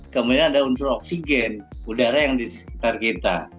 kemudian ada unsur oksigen udara yang di sekitar kita